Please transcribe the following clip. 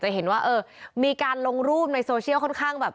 เห็นว่าเออมีการลงรูปในโซเชียลค่อนข้างแบบ